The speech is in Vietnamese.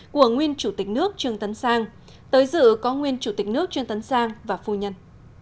của nguyên chủ tịch nước trương tấn sang tới dự có nguyên chủ tịch nước trương tấn sang và phu nhân